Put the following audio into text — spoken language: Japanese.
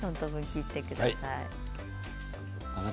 切ってください。